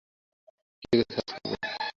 কী লিখে সার্চ করবো?